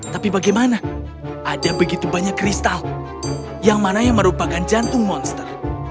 tapi bagaimana ada begitu banyak kristal yang mana yang merupakan jantung monster